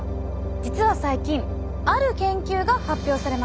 実は最近ある研究が発表されました。